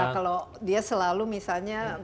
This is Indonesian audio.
kalau dia selalu misalnya